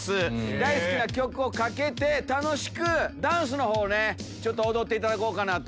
大好きな曲をかけて楽しくダンスのほうを踊っていただこうかなと。